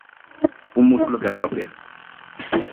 'Un músculo que atrofia'.